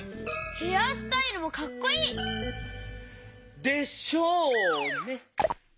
ヘアスタイルもかっこいい！でしょうね。